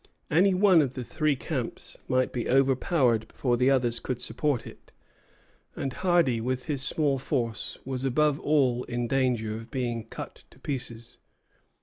Any one of the three camps might be overpowered before the others could support it; and Hardy with his small force was above all in danger of being cut to pieces.